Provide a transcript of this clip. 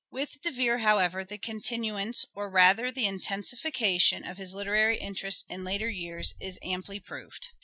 With De Vere, however, the continuance, or rather the % intensification of his literary interests in later years is amply proved.